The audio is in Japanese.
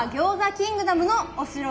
キングダムのお城へ。